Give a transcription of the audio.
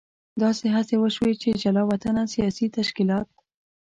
داسې هڅې وشوې چې جلا وطنه سیاسي تشکیلات.